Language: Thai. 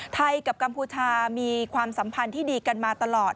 ไทยกับกัมพูชามีความสัมพันธ์ที่ดีกันมาตลอด